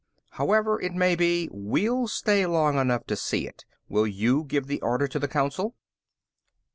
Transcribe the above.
"However it may be, we'll stay long enough to see it. Will you give the order to the Council?"